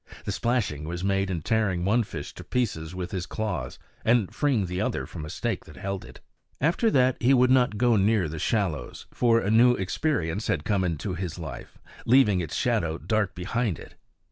The splashing was made in tearing one fish to pieces with his claws, and freeing the other from a stake that held it. After that he would not go near the shallows; for a new experience had come into his life, leaving its shadow dark behind it.